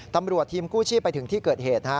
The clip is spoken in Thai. ตำรวจทีมกู้ชีพไปถึงที่เกิดเหตุ